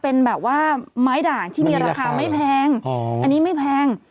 เป็นแบบว่าไม้ด่างที่มีราคาไม่แพงอันนี้ไม่แพง